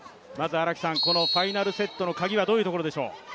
このファイナルセットのカギはどういうところでしょう。